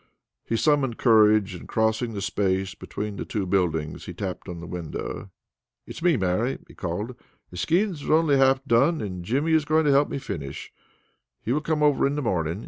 He summoned courage, and crossing the space between the two buildings, he tapped on the window. "It's me, Mary," he called. "The skins are only half done, and Jimmy is going to help me finish. He will come over in the morning.